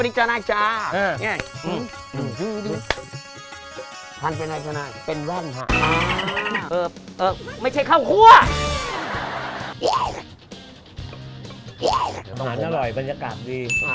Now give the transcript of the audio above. กินหลังฝ่าง